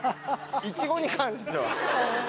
イチゴに関しては。